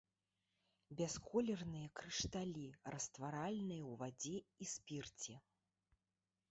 Бясколерныя крышталі, растваральныя ў вадзе і спірце.